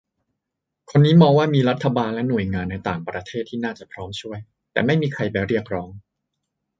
คนนี้มองว่ามีรัฐบาลและหน่วยงานในต่างประเทศที่น่าจะพร้อมช่วย แต่ไม่มีใครไปเรียกร้อง